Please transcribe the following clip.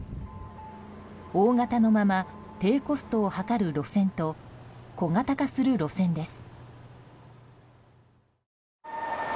大型のまま低コストを図る路線と小型化する路線です。